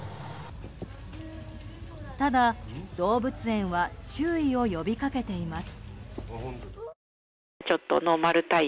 ただ、動物園は注意を呼び掛けています。